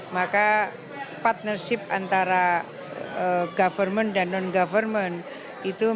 maka partnership antara government dan non government itu